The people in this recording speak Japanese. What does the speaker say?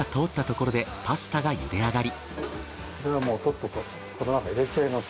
これはもうとっととこの中入れちゃいます。